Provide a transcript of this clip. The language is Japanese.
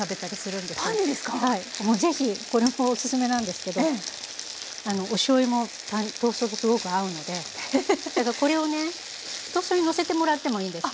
是非これもオススメなんですけどおしょうゆもトーストとすごく合うのでこれをねトーストに載せてもらってもいいです。